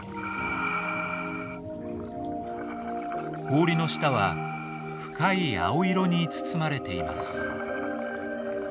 氷の下は深い青色に包まれています。